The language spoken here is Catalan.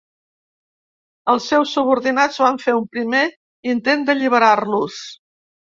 Els seus subordinats van fer un primer intent d'alliberar-los.